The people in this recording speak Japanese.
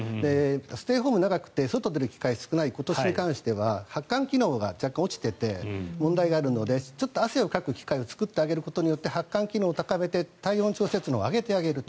ステイホームが長くて外に出る機会が少ない今年に関しては発汗機能が落ちていて問題があるのでちょっと汗をかく機会を作ることで発汗機能を高めて体温調整機能を上げてあげると。